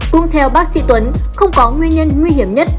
cũng theo bác sĩ tuấn không có nguyên nhân nguy hiểm nhất